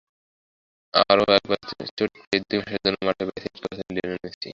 আরও একবার চোট পেয়ে দুই মাসের জন্য মাঠের বাইরে ছিটকে পড়েছেন লিওনেল মেসি।